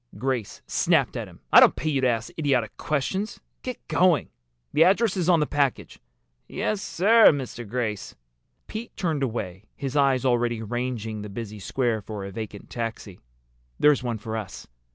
Grace snapped at him. "I don't pay you to ask idiotic questions. Get going! The address is on the package." "Yes, sir, Mr. Grace." Pete turned away, his eyes already ranging the busy square for a vacant taxi. "There's one for us!"